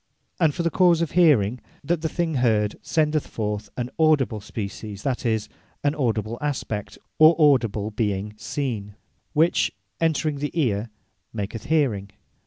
And for the cause of Hearing, that the thing heard, sendeth forth an Audible Species, that is, an Audible Aspect, or Audible Being Seen; which entring at the Eare, maketh Hearing.